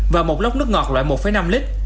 và một lốc nước ngọt loại một năm lít